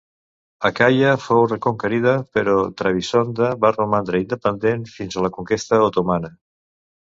Acaia fou reconquerida, però Trebisonda va romandre independent fins a la conquesta otomana.